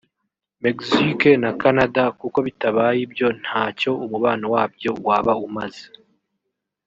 Mexique na Canada) kuko bitabaye ibyo nta cyo umubabo wabyo waba umaze